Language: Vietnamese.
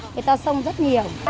người ta sông rất nhiều